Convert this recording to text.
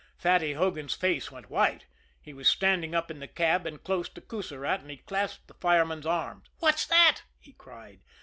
Fatty Hogan's face went white; he was standing up in the cab and close to Coussirat, and he clasped the fireman's arm. "What's that?" he cried.